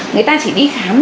người ta chỉ đi khám